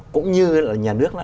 cũng như là nhà nước